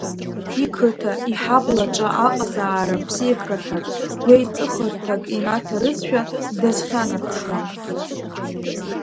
Иқыҭа, иҳаблаҿы аҟазаара ԥсеивгарҭак, гәеиҵыхырҭак инаҭарызшәа дазхьанарԥшуан.